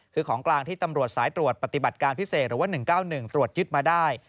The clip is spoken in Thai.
คือของกลางที่ตำรวจสายตรวจปฏิบัติการพิเศษหรือว่า๑๙๑ตรวจยึดมาได้